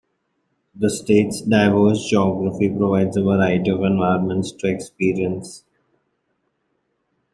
The state's diverse geography provides a variety of environments to experience.